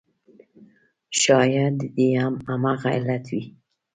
شاید د دې هم همغه علت وي.